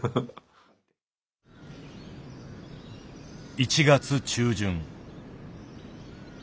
１月中旬。